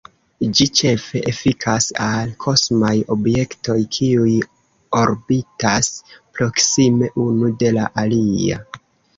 Ĝi ĉefe efikas al kosmaj objektoj, kiuj orbitas proksime unu de la alia.